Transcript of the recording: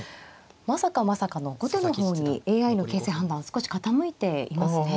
まさかまさかの後手の方にＡＩの形勢判断少し傾いていますね。